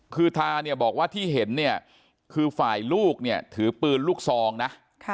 คือทาบอกว่าที่เห็นคือฝ่ายลูกถือปืนลูกซองนะ